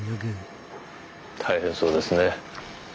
大変そうですね。